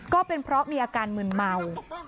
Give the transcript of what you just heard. ก็เป็นเพราะมีอาการมืนเมา